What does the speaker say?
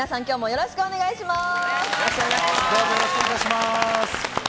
よろしくお願いします。